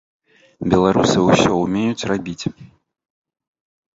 Беларусы ўсё умеюць рабіць.